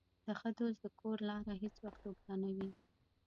د ښه دوست د کور لاره هېڅ وخت اوږده نه وي.